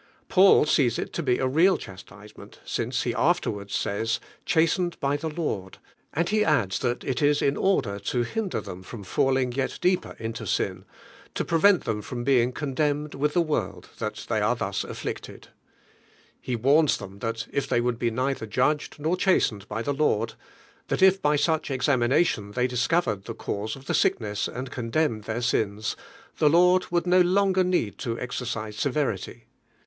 Paul sees it to bo n real elta.stisem.ent siuco lie afterwards K ;l ysj "chaste I by the Lord," and he adds that it is in order to hinder them from falling yet deeper into sin, to prevent them from being "condemned with the world" that they are thus afflicted, lie warns them that if they would be neither judged nor chastened by the Lord; that if by such niVINE 1IEA1.1TTO. examination they discovered the cause of the siekness and condemned their sins, the Lord would no longer need to exer cise severity.